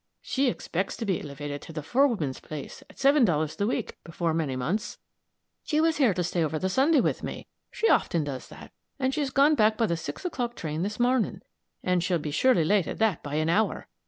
She expects to be illivated to the forewoman's place, at seven dollars the week, before many months. She was here to stay over the Sunday with me she often does that; and she's gone back by the six o'clock train this mornin' and she'll be surely late at that by an hour.